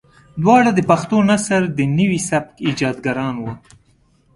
دواړه د پښتو نثر د نوي سبک ايجادګران وو.